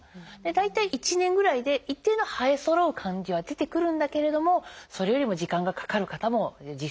大体１年ぐらいで一定の生えそろう感じは出てくるんだけれどもそれよりも時間がかかる方も実際はすごく多いんですね。